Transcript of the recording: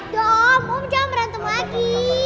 dom om jangan berantem lagi